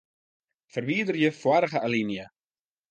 Ferwiderje foarige alinea.